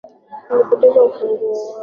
Nilipoteza ufunguo wangu